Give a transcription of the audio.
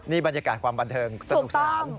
นี่บรรยากาศความบันเทิงสนุกสนามถูกต้อง